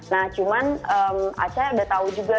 nah cuman aca udah tahu juga